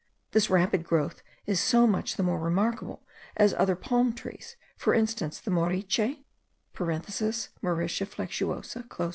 This rapid growth is so much the more remarkable, as other palm trees, for instance, the moriche,* (* Mauritia flexuosa.)